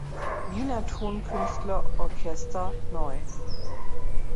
Wiener Tonkünstler Orchester" neu.